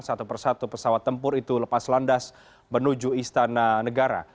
satu persatu pesawat tempur itu lepas landas menuju istana negara